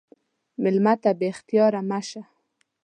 مېلمه ته بې اختیاره مه شه.